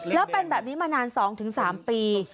แล้วเป็นแบบนี้มานาน๒๓ปี